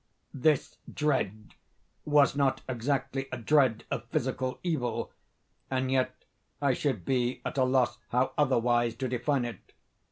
This dread was not exactly a dread of physical evil—and yet I should be at a loss how otherwise to define it.